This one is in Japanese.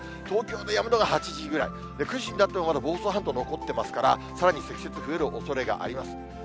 東京でやむのが８時ぐらい、９時になってもまだ房総半島残ってますから、さらに積雪増えるおそれがあります。